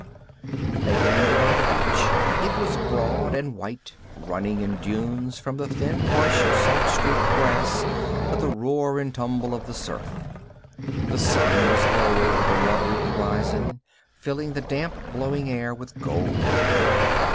They landed on the beach. It was broad and white, running in dunes from the thin, harsh, salt streaked grass to the roar and tumble of surf. The sun was low over the watery horizon, filling the damp, blowing air with gold.